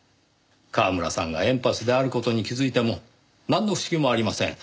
川村さんがエンパスである事に気づいてもなんの不思議もありません。